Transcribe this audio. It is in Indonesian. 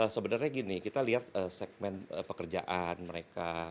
sebenarnya gini kita lihat segmen pekerjaan mereka